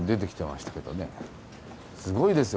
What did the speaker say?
すごいですよ